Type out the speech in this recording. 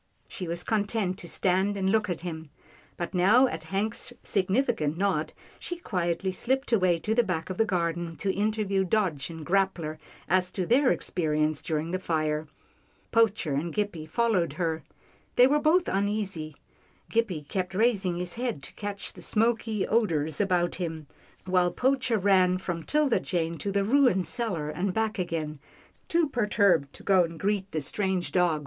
She was content to stand and look at him, but now at Hank's significant nod, she quietly slipped away to the back of the garden, to interview Dodge and Grappler as to their experiences during the fire. Poacher and Gippie followed her. They were both uneasy. Gippie kept raising his head to catch the smoky odours about him, while Poacher ran from 'Tilda Jane to the ruined cellar and back again, too perturbed to go and greet the strange dog.